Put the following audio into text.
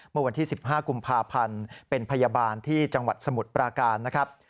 เมื่อวันที่๑๕กุมภาพันธ์เป็นพยาบาลที่จังหวัดสมุทรปราการนะครับ